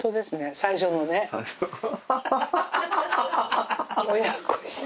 最初のね。